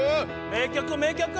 名曲名曲！